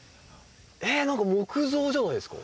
ええ何か木造じゃないですか？